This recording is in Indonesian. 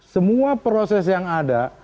semua proses yang ada